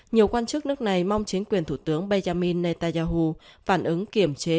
nhiều quan chức nước này mong chính quyền thủ tướng benjamin netanyahu phản ứng kiểm chế